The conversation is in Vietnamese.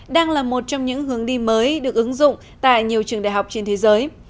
đang là một trong những hướng đi mới được ứng dụng tại nhiều trường đại học trên thế giới